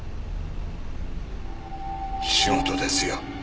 仕事ですよ。